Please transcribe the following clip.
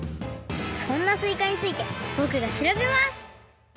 そんなすいかについてぼくがしらべます！